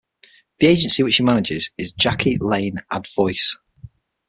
The agency which she manages is Jackie Lane Ad Voice.